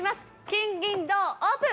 金銀銅オープン！